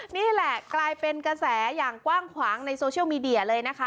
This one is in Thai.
นี่แหละกลายเป็นกระแสอย่างกว้างขวางในโซเชียลมีเดียเลยนะคะ